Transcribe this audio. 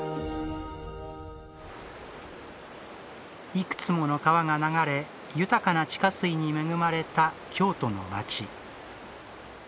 いくつもの川が流れ、豊かな地下水に恵まれた、京都のまち。